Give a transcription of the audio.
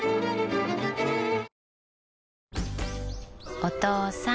お父さん。